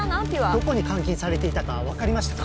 どこに監禁されていたか分かりましたか？